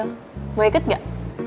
mau ikut gak